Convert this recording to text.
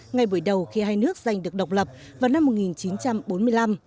ngay buổi đầu khi hai nước giành được độc lập vào năm một nghìn chín trăm bốn mươi năm